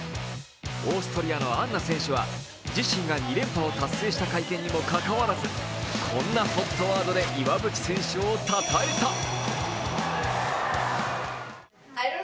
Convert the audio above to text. オーストリアのアンナ選手は自身が２連覇を達成した会見にもかかわらず、こんなＨＯＴワードで岩渕選手をたたえた。